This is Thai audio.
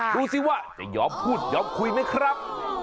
ดูสิว่าจะยอมพูดยอมคุยไหมครับ